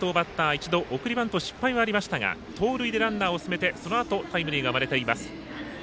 一度送りバントの失敗はありましたが盗塁でランナーを進めてそのあとタイムリーが生まれています。